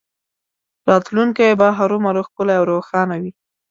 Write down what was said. راتلونکی به هرومرو ښکلی او روښانه وي